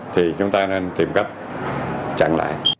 thì chúng ta nên tìm cách chặn lại